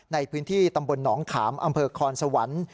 ในพื้นที่ตำบลหนองขามอำเภอคอนสวรรค์